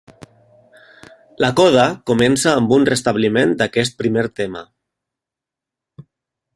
La coda comença amb un restabliment d'aquest primer tema.